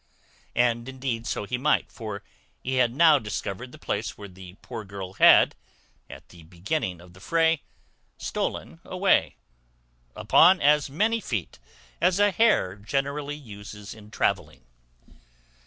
And indeed so he might; for he had now discovered the place whence the poor girl had, at the beginning of the fray, stolen away, upon as many feet as a hare generally uses in travelling.